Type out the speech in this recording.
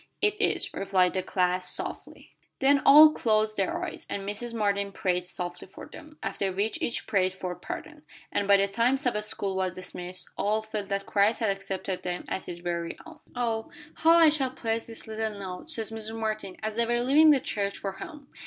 "It is," replied the class, softly. Then all closed their eyes, and Mrs. Martin prayed softly for them, after which each prayed for pardon, and by the time Sabbath school was dismissed, all felt that Christ had accepted them as His very own. "Oh, how I shall prize this little note," said Mrs. Martin, as they were leaving the church for home.